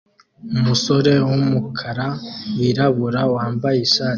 Umusore wumukara wirabura wambaye ishati